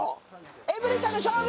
エブリンさんの勝利！